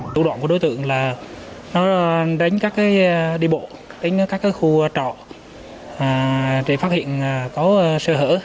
tụ đoạn của đối tượng là đánh các đi bộ đánh các khu trọ để phát hiện có sơ hở